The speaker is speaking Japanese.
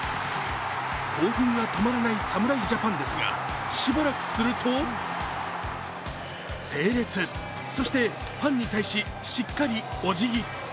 興奮が止まらない侍ジャパンですが、しばらくすると整列、そしてファンに対ししっかりおじぎ。